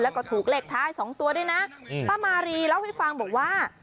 แล้วก็ถูกเลขท้ายสองตัวด้วยนะป้ามารีเล่าให้ฟังบอกว่า